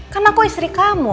kan aku istri kamu